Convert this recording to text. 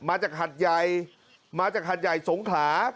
มาจากทัศนหัคยายสวงขลา